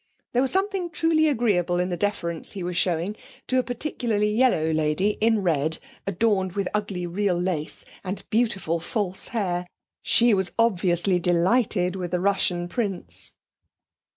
There was something truly agreeable in the deference he was showing to a peculiarly yellow lady in red, adorned with ugly real lace, and beautiful false hair. She was obviously delighted with the Russian prince.